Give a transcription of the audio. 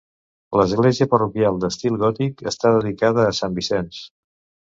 L'església parroquial d'estil gòtic està dedicada a Sant Vicenç.